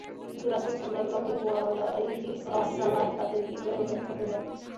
কিন্তু রাসূল সাল্লাল্লাহু আলাইহি ওয়াসাল্লাম তাদের বিজয় উদযাপন করতে দেন না।